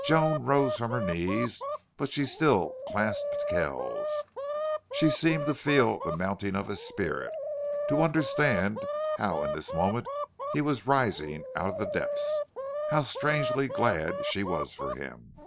Joan rose from her knees, but she still clasped Kells. She seemed to feel the mounting of his spirit, to understand how in this moment he was rising out of the depths. How strangely glad she was for him!